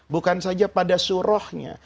bukan saja pada suruhnya